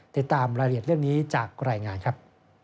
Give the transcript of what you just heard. ติดตามรายละเอียดเรื่องนี้จากรายงานครับ